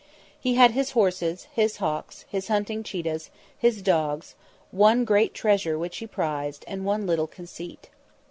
He had his horses, his hawks, his hunting cheetahs, his dogs; one great treasure which he prized and one little conceit.